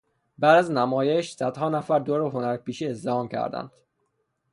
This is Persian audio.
بعد از نمایش صدها نفر دور هنرپیشه ازدحام کردند.